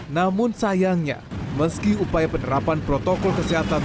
namun sayangnya meski upaya penerapan protokol kesehatan